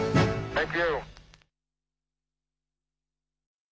はい。